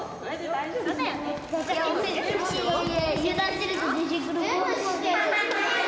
はい。